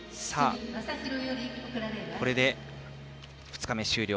これで２日目終了。